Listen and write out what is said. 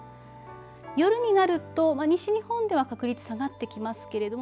夜になると西日本では確率下がってきますけども。